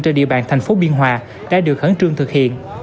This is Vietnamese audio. trên địa bàn thành phố biên hòa đã được khẩn trương thực hiện